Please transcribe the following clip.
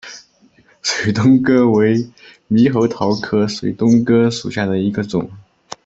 水东哥为猕猴桃科水东哥属下的一个种。